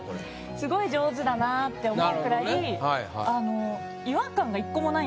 すごい上手だなぁって思うくらいあの。